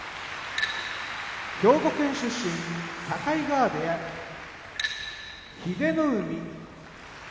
兵庫県出身境川部屋英乃海